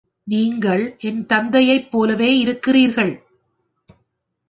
நீங்கள் என் தந்தையைப் போலவே இருக்கிறீர்கள்.